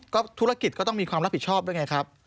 ก็ธุรกิจก็ต้องมีความรับผิดชอบด้วยไงครับ